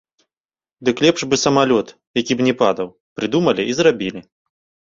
Дык лепш бы самалёт, які б не падаў, прыдумалі і зрабілі.